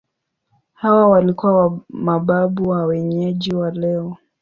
Hawa walikuwa mababu wa wenyeji wa leo.